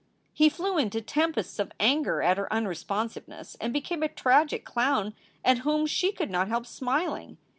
He flew into tempests of anger at her unresponsiveness and became a tragic clown at whom she could not help smiling.